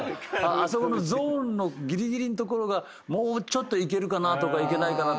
あそこのゾーンのぎりぎりの所がもうちょっといけるかなとかいけないかな。